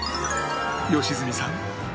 良純さん